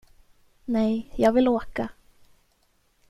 Nej, jag vill åka.